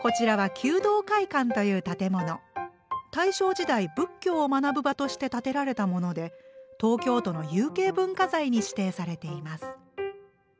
大正時代仏教を学ぶ場として建てられたもので東京都の有形文化財に指定されています。